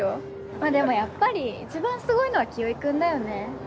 まあでもやっぱりいちばんすごいのは清居君だよね。